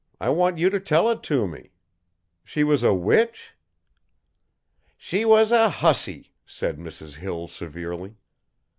I want you to tell it to me. She was a witch?" "She was a hussy," said Mrs. Hill severely.